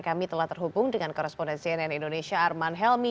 kami telah terhubung dengan korrespondensi nn indonesia arman helmi